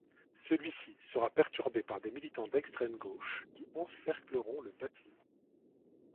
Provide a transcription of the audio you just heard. Celui-ci sera perturbé par des militants d'extrême gauche, qui encercleront le bâtiment.